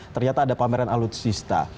ternyata ada pameran alutsista